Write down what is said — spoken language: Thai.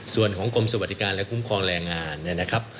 ส่วนของกรมสวัสดิการและคุ้มครองแรงงานนะครับ